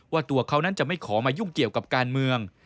ตัวเขานั้นจะไม่ขอมายุ่งเกี่ยวกับการเมือง